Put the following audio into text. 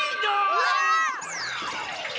うわっ！